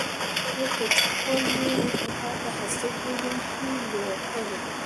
یو کچکول وي ورته پاته هستۍ ټولي وي لوټلي